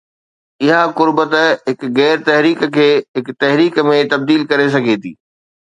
اها قربت هڪ غير تحريڪ کي هڪ تحريڪ ۾ تبديل ڪري سگهي ٿي.